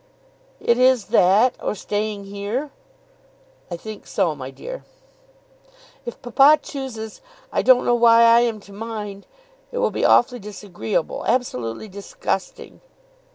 "It is that, or staying here?" "I think so, my dear." "If papa chooses I don't know why I am to mind. It will be awfully disagreeable, absolutely disgusting!"